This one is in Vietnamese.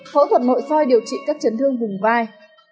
phẫu thuật nội soi điều trị các chấn thương vùng vai